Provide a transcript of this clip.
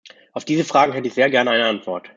Auf diese Fragen hätte ich sehr gern eine Antwort.